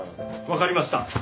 わかりました。